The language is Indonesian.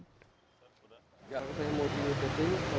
terus diperhenti di jalan jalan